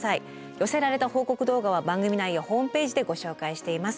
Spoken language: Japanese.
寄せられた報告動画は番組内やホームページでご紹介しています。